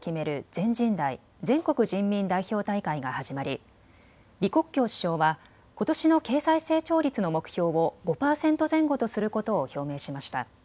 全人代・全国人民代表大会が始まり李克強首相はことしの経済成長率の目標を５％前後とすることを表明しました。